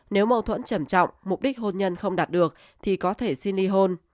nếu mâu thuẫn trầm trọng mục đích hôn nhân không đạt được thì có thể xin ly hôn